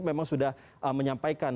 memang sudah menyampaikan